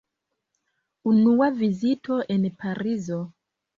Unua vizito en Parizo.